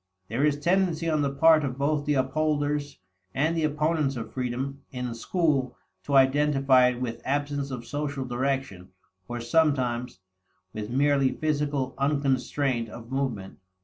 There is tendency on the part of both the upholders and the opponents of freedom in school to identify it with absence of social direction, or, sometimes, with merely physical unconstraint of movement.